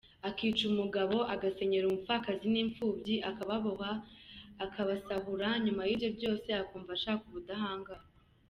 Akica umugabo, agasenyera umupfakazi n’imfumbyi, akababoha, akabasahura, nyuma yibyo byose akumva ashaka ubudahangarwa!